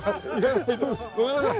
ごめんなさい。